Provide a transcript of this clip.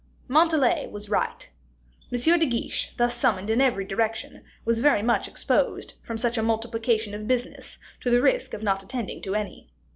Montalais was right. M. de Guiche, thus summoned in every direction, was very much exposed, from such a multiplication of business, to the risk of not attending to any.